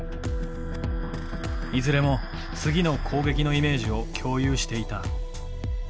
いずれも次の攻撃のイメージを共有していた。